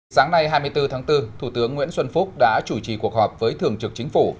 sáng nay hai mươi bốn tháng bốn thủ tướng nguyễn xuân phúc đã chủ trì cuộc họp với thường trực chính phủ